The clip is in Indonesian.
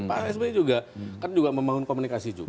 pak sby juga kan juga membangun komunikasi juga